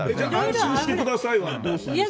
安心してくださいはどうするんですかね。